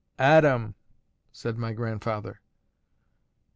"Aadam!" said my grandfather.